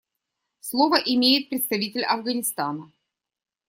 Слово имеет представитель Афганистана.